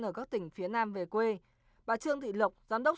ở các tỉnh phía nam về quê bà trương thị lộc giám đốc